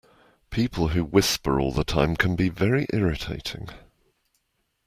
People who whisper all the time can be very irritating